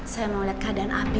saya mau liat keadaan abi